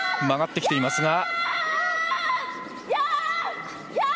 曲がってきています！